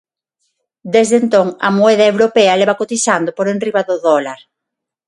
Desde entón, a moeda europea leva cotizando por enriba do dólar.